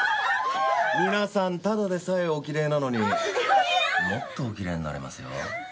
皆さんただでさえおきれいなのにもっとおきれいになれますよ。